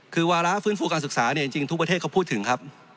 คือวาระฟื้นฟูการศึกษาเนี่ยจริงทุกประเทศเขาพูดถึงครับ